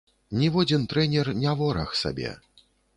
Ніводзін трэнер не вораг сабе.